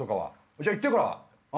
じゃあ行ってから。